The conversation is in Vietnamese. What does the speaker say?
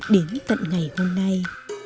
đến tận ngày hôm nay